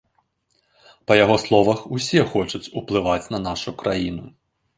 Па яго словах, усе хочуць уплываць на нашу краіну.